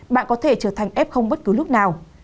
bạn có thể trở thành f bất cứ lúc nào